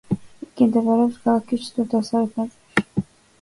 იგი მდებარეობს ქალაქის ჩრდილო-დასავლეთ ნაწილში.